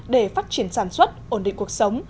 để phát triển sản xuất ổn định cuộc sống